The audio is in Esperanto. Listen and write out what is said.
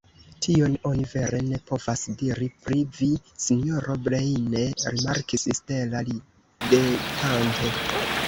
Tion oni vere ne povas diri pri vi, sinjoro Breine, rimarkis Stella ridetante.